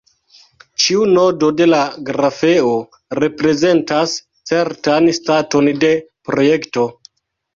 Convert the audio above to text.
Ĉiu nodo de la grafeo reprezentas certan staton de projekto.